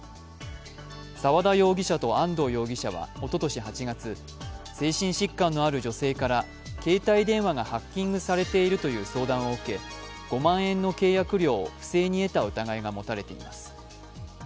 沢田容疑者と安藤容疑者はおととし８月精神疾患のある女性から携帯電話がハッキングされているという相談を受け、５万円の契約料を不正に得た疑いが持たれています。